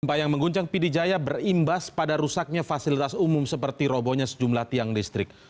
gempa yang mengguncang pidijaya berimbas pada rusaknya fasilitas umum seperti robonya sejumlah tiang listrik